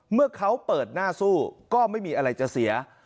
เมื่อเขาเปิดหน้าสู้ก็ไม่มีอะไรจะเสีย